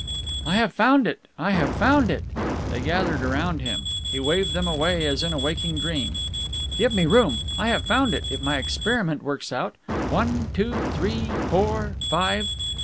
"I have found it! I have found it!" They gathered around him. He waved them away as in a waking dream. "Give me room. I have found it, if my experiment works out. One, two, three, four, five..."